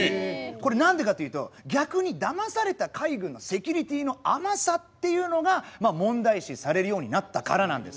これ何でかというと逆にだまされた海軍のセキュリティーの甘さっていうのが問題視されるようになったからなんです。